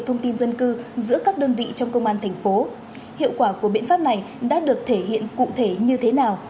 thông tin dân cư giữa các đơn vị trong công an thành phố hiệu quả của biện pháp này đã được thể hiện cụ thể như thế nào